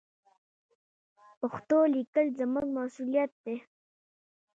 د پښتو لیکل زموږ مسوولیت دی.